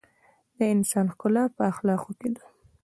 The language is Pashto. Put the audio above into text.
د انسان ښکلا په اخلاقو ده.